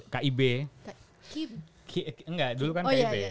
kib enggak dulu kan kib